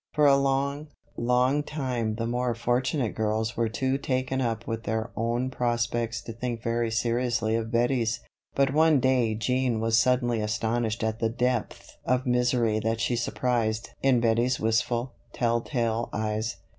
For a long, long time the more fortunate girls were too taken up with their own prospects to think very seriously of Bettie's; but one day Jean was suddenly astonished at the depth of misery that she surprised in Bettie's wistful, tell tale eyes.